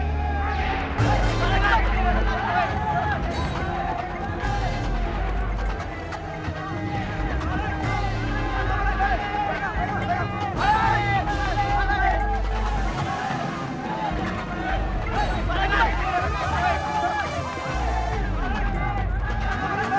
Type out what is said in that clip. malah malah malah